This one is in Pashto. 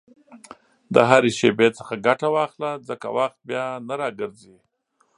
د هرې شېبې څخه ګټه واخله، ځکه وخت بیا نه راګرځي.